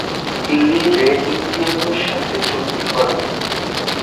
তিনি রেড ইন্ডিয়ানদের সাথে চুক্তি করেন।